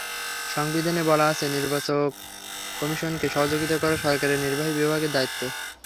সংবিধানে বলা আছে, নির্বাচন কমিশনকে সহযোগিতা করা সরকারের নির্বাহী বিভাগের দায়িত্ব।